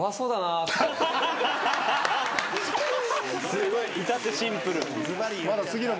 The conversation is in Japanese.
すごい至ってシンプル。